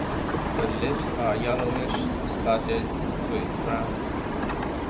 The lips are yellowish, spotted with brown.